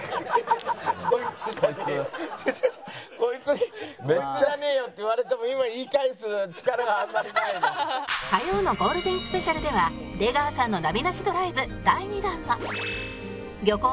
こいつにいらねえよって言われても今火曜のゴールデンスペシャルでは出川さんのナビなしドライブ第２弾は